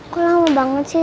kok lama banget sih